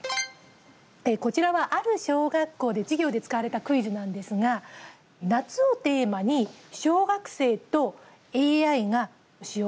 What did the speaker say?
こちらはある小学校で授業で使われたクイズなんですが「夏」をテーマに小学生とＡＩが詩を書きました。